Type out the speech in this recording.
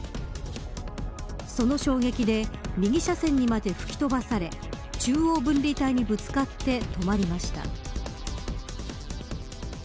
その衝撃で、右車線にまで吹き飛ばされ中央分離帯にぶつかって止まりました。